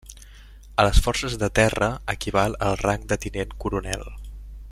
A les forces de terra equival al rang de Tinent Coronel.